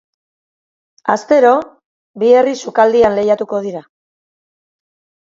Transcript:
Astero, bi herri sukaldean lehiatuko dira.